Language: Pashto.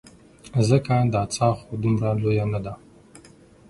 ځکه دا څاه خو دومره لویه نه ده.